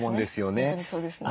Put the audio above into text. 本当にそうですね。